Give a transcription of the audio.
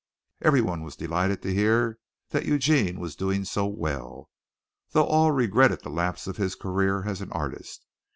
Everyone was delighted to hear that Eugene was doing so well, though all regretted the lapse of his career as an artist.